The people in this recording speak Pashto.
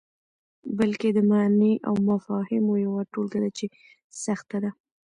بلکې د معني او مفاهیمو یوه ټولګه ده چې سخته ده.